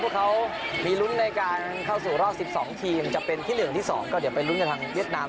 พวกเขามีรุ้นในการเข้าสู่รอบสิบสองทีมจะเป็นที่หนึ่งที่สองก็เดี๋ยวไปรุ้นกันทางเวียดนาม